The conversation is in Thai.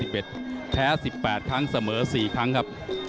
แพ้๑๘ครั้งเสมอ๔ครั้งครับ